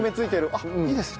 あっいいですね